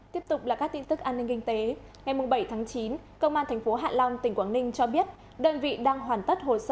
tiếp tục là các tin tức an ninh kinh tế